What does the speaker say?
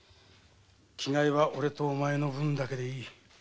着がえはおれとお前の分だけでいい。